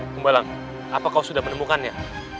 pembalang apa kau sudah menemukannya